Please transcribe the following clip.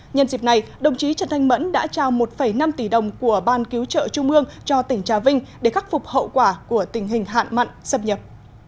nhân dịp này đồng chí trần thanh mẫn đã trao một năm tỷ đồng của ban cứu trợ trung ương cho tỉnh trà vinh để khắc phục hậu quả của tình hình hạn mặn xâm nhập